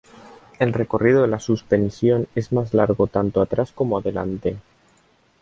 El recorrido de la suspensión es más largo tanto atrás como adelante.